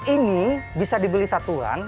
ini bisa dibeli satuan